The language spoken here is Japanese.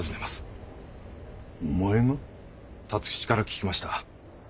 辰吉から聞きました。